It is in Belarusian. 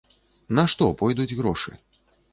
На што пойдуць грошы?